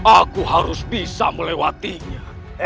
aku harus bisa melewatinya